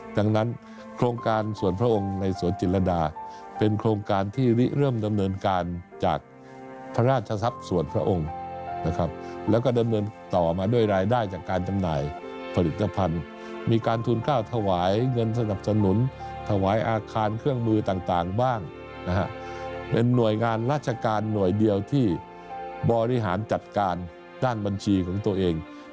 ดังนั้นโครงการส่วนพระองค์ในสวนจิตรดาเป็นโครงการที่เริ่มดำเนินการจากพระราชทรัพย์ส่วนพระองค์นะครับแล้วก็ดำเนินต่อมาด้วยรายได้จากการจำหน่ายผลิตภัณฑ์มีการทุนก้าวถวายเงินสนับสนุนถวายอาคารเครื่องมือต่างบ้างนะฮะเป็นหน่วยงานราชการหน่วยเดียวที่บริหารจัดการด้านบัญชีของตัวเอง